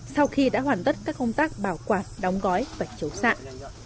sau khi đã hoàn tất các công tác bảo quạt đóng gói và chấu sạng